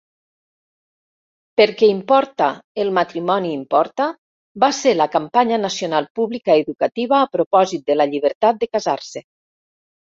"Per què importa el matrimoni importa" va ser la campanya nacional pública educativa a propòsit de la Llibertat de casar-se.